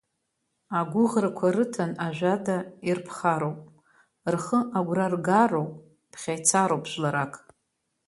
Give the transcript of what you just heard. Агәыӷрақәа рыҭан ажәада ирԥхароуп, рхы агәра ргароуп, ԥхьа ицароуп жәларак.